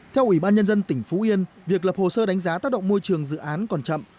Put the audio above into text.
theo ubnd tỉnh phú yên việc lập hồ sơ đánh giá tác động môi trường dự án còn chậm